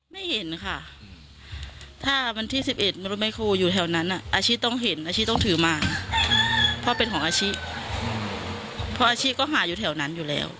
ไม่เห็นค่ะถ้าวันที่๑๑ไม่รู้ไหมครูอยู่แถวนั้นอาชีพต้องเห็นอาชีพต้องถือมาเพราะเป็นของอาชีพเพราะอาชีพก็หาอยู่แถวนั้นอยู่แล้ว